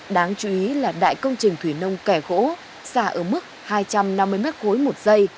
đáng chú ý là đại công trình thủy nông kẻ gỗ xả ở mức hai trăm năm mươi m ba một giây